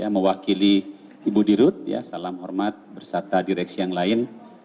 mewakili ibu dirut salam hormat bersata direksi yang lain